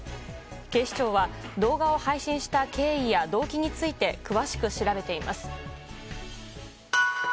警視庁は動画を配信した経緯や動機について詳しく調べています。